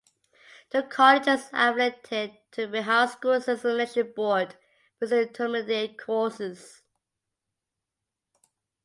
The college is affiliated to Bihar School Examination Board for its Intermediate courses.